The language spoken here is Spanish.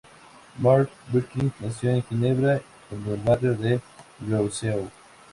Marc Birkigt nació en Ginebra, en el barrio de Rousseau.